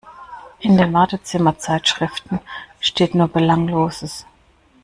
In den Wartezimmer-Zeitschriften steht nur Belangloses.